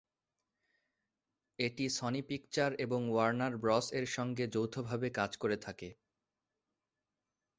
এটি Sony picture এবং Warner Bros এর সঙ্গে যৌথভাবে কাজ করে থাকে।